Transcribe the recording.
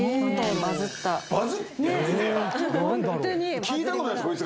・バズったバズ聞いたことないです